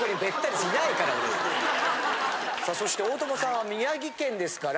さあそして大友さんは宮城県ですから。